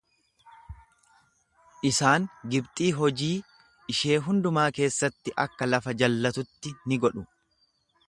Isaan Gibxii hojii ishee hundumaa keessatti akka lafa jallatutti ni godhu.